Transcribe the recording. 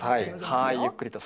はいゆっくりと。